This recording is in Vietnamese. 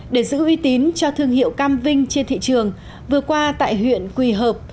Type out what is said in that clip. để giữ uy tín cho thương hiệu cam vinh trên thị trường vừa qua tại huyện quỳ hợp